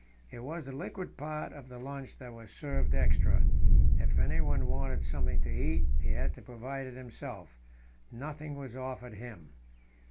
It was the liquid part of the lunch that was served extra; if anyone wanted something to eat, he had to provide it himself nothing was offered him.